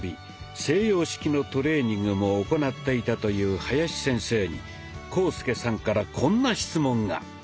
西洋式のトレーニングも行っていたという林先生に浩介さんからこんな質問が。